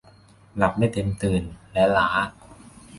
หลับไม่เต็มตื่น และล้า